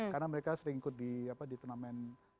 karena mereka sering ikut di turnamen